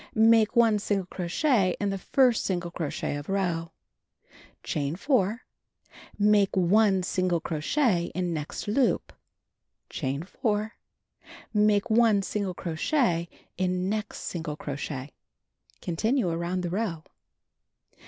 Make 1 single crochet in the first single crochet of row. Chain 4. Make 1 single crochet in next loop. Chain 4. IMake 1 single crochet in next single crochet. Continue around the row.